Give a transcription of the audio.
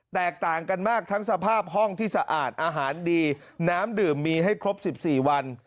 แตกต่างกันมากทั้งสภาพห้องที่สะอาดอาหารดีน้ำดื่มมีให้ครบ๑๔วัน